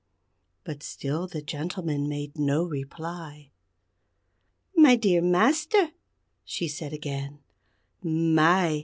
But still the gentleman made no reply. "My dear Master," she said again, "My!